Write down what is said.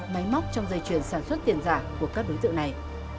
máy móc trong dây chuyển sản xuất tiền giả của các đối tượng này